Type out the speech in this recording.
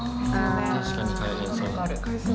確かに大変そう。